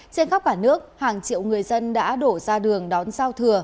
trên khắp cả nước hàng triệu người dân đã đổ ra đường đón giao thừa